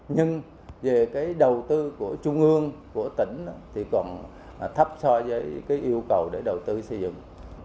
nhưng về cái đầu tư của trung ương của tỉnh thì còn thấp so với cái yêu cầu để đầu tư xây dựng